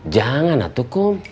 jangan atu kum